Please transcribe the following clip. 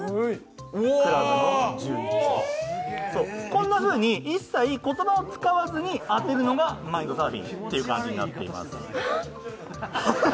こんなふうに一切言葉を使わずに当てるのがマインドサーフィンっていう感じになっています。